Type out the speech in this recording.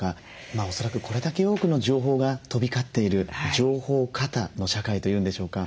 恐らくこれだけ多くの情報が飛び交っている情報過多の社会というんでしょうか。